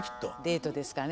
デートですかね。